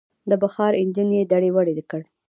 د بخار انجن یې دړې وړې کړ.